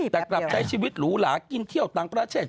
แต่กลับใช้ชีวิตหรูหลากินเที่ยวต่างประเทศ